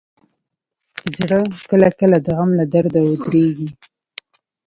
زړه کله کله د غم له درده ودریږي.